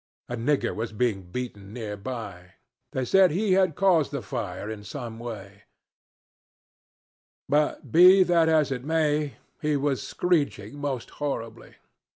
A nigger was being beaten near by. They said he had caused the fire in some way; be that as it may, he was screeching most horribly.